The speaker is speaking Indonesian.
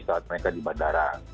saat mereka di bandara